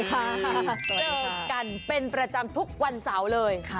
เจอกันเป็นประจำทุกวันเสาร์เลย